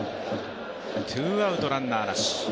ツーアウト、ランナーなし。